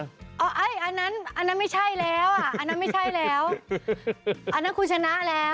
อันนั้นไม่ใช่แล้วอันนั้นคุณชนะแล้ว